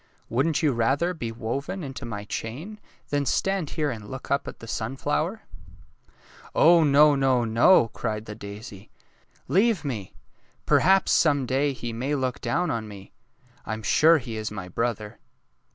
Wouldn't you rather be woven into my chain than stand here and look up at the sunflower? "^* Oh, no, no, no! " cried the daisy. ^^ Leave me ! Perhaps some day he may look down on me. I am sure he is my brother."